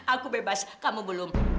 aku bebas kamu belum